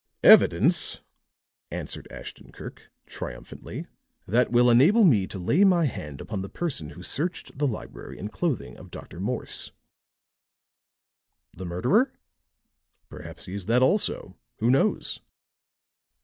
"Evidence," answered Ashton Kirk, triumphantly, "that will enable me to lay my hand upon the person who searched the library and clothing of Dr. Morse." "The murderer?" "Perhaps he is that also who knows?"